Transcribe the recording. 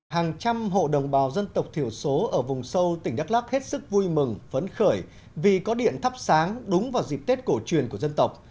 hàng trăm hộ đồng bào dân tộc thiểu số ở vùng sâu tỉnh đắk lắc hết sức vui mừng phấn khởi vì có điện thắp sáng đúng vào dịp tết cổ truyền của dân tộc